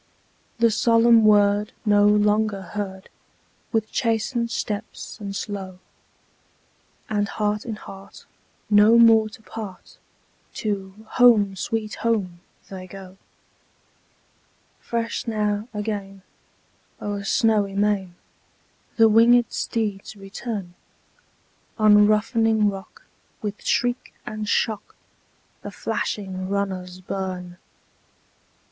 The solemn word no longer heard, With chastened steps and slow, And heart in heart, no more to part, To "Home, sweet Home," they go. Fresh now, again, o'er snowy main, The winged steeds return: On roughening rock, with shriek and shock, The flashing runners burn.